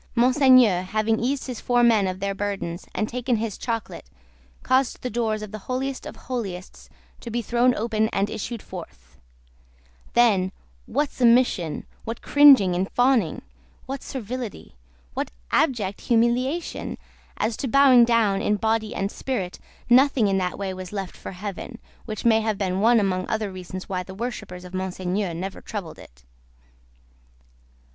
Monseigneur having eased his four men of their burdens and taken his chocolate, caused the doors of the Holiest of Holiests to be thrown open, and issued forth. Then, what submission, what cringing and fawning, what servility, what abject humiliation! As to bowing down in body and spirit, nothing in that way was left for Heaven which may have been one among other reasons why the worshippers of Monseigneur never troubled it.